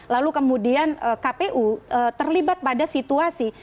lalu kemudian kpu terlibat pada situasi